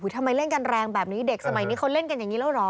ทำไมเล่นกันแรงแบบนี้เด็กสมัยนี้เขาเล่นกันอย่างนี้แล้วเหรอ